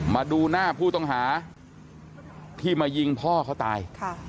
มาดูหน้าผู้ต้องหาที่มายิงพ่อเขาตาย